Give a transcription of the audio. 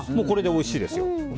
これで、おいしいですよ。